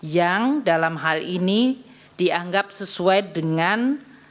yang dalam hal ini dianggap sesuai dengan